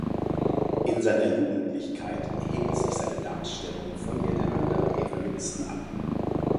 In seiner Jugendlichkeit hebt sich seine Darstellung von der der anderen Evangelisten ab.